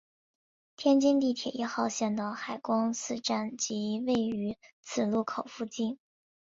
天津地铁一号线的海光寺站即位于此路口附近。